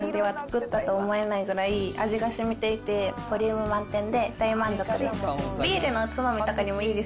短時間で作ったとは思えないくらい味がしみていて、ボリューム満点で大満足です。